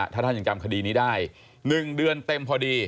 ถ้าท่านยังจำคดีนี้ได้๑เดือนเต็มพอดี